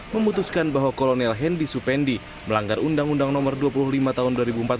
memutuskan bahwa kolonel hendy supendi melanggar undang undang nomor dua puluh lima tahun dua ribu empat belas